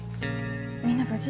みんな無事？